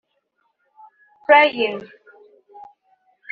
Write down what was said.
Praying